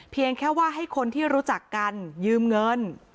เพียงแค่ว่าให้คนที่รู้จักกันยืมเงิน